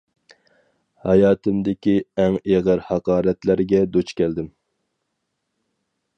ھاياتىمدىكى ئەڭ ئېغىر ھاقارەتلەرگە دۇچ كەلدىم.